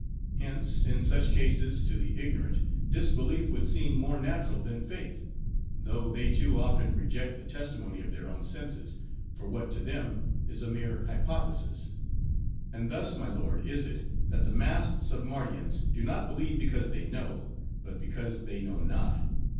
Hence, in such cases, to the ignorant, disbelief would seem more natural than faith; though they too often reject the testimony of their own senses, for what to them, is a mere hypothesis. And thus, my lord, is it, that the mass of Mardians do not believe because they know, but because they know not.